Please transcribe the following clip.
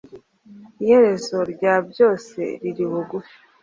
iherezo rya byose riri bugufi